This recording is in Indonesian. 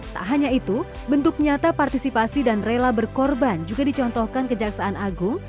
tak hanya itu bentuk nyata partisipasi dan rela berkorban juga dicontohkan kejaksaan agung